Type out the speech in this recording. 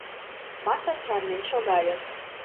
— Маша чарнен шогале.